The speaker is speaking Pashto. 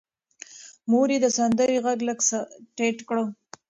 مور یې د سندرې غږ لږ څه ټیټ کړ.